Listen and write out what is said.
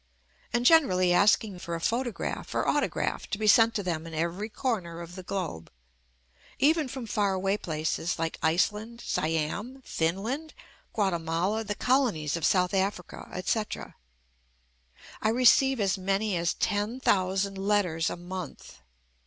and generally asking for a photo graph or autograph to be sent to them in every corner of the globe — even from far away places like Iceland, Siam, Finland, Guatemala, the Colonies of South Africa, etc. I receive as many as ten thousand letters a month.